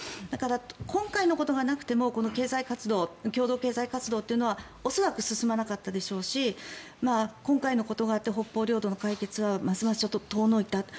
だから、今回のことがなくてもこの共同経済活動というのは恐らく進まなかったでしょうし今回のことがあって北方領土の解決はますます遠のいた。